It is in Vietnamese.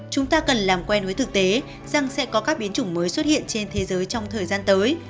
chúng ta cần làm quen với thực tế rằng sẽ có các biến chủng mới xuất hiện trên thế giới trong thời gian tới